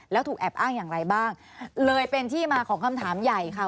แล้วถูกแอบอ้างอย่างไรบ้างเลยเป็นที่มาของคำถามใหญ่ค่ะ